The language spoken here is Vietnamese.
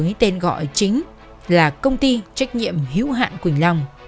với tên gọi chính là công ty trách nhiệm hiếu hạn quỳnh long